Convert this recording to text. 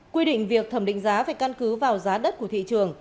quy định việc thẩm định giá phải căn cứ vào giá đất của thị trường